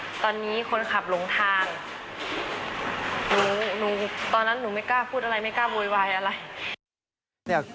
ตอนนี้คนขับหลงทางหนูตอนนั้นหนูไม่กล้าพูดอะไรไม่กล้าโวยวายอะไร